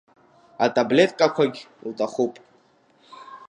Атаблеткақәагьы лҭахуп.